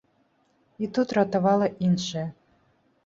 І тут ратавала іншае.